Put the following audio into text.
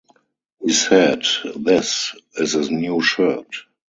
He said, 'This is a new shirt.